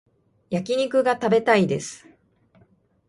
焼き肉が食べたいです